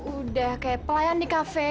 udah kayak pelayan di kafe